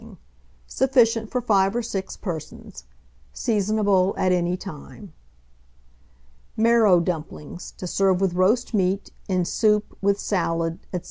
Sufficient for 5 or 6 persons. Seasonable at any time. MARROW DUMPLINGS, to serve with Roast Meat, in Soup, with Salad, &c.